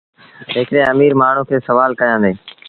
هڪڙي اميٚر مآڻهوٚٚݩ کي سوآل ڪيآݩديٚ